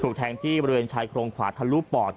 ถูกแทงที่ประเภนชายโพลอยควาธธรุปะการมือ